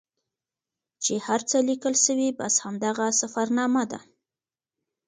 چې هر څه لیکل سوي بس همدغه سفرنامه ده.